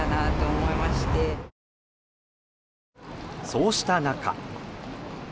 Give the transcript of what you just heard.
そうした中。